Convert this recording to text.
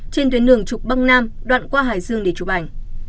trên tuyến đường trục băng nam đoạn qua hải dương để chụp ảnh